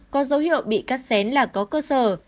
có dấu hiệu bị cắt xén là có cơ sở